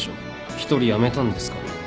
１人やめたんですから。